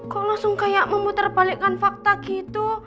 kok langsung kayak memutar balikkan fakta gitu